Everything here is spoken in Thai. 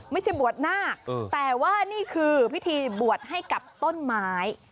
ไม่ใช่บวชนาคแต่ว่านี่คือพิธีบวชให้กับต้นไม้